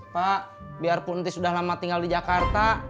pak biarpun tutis udah lama tinggal di jakarta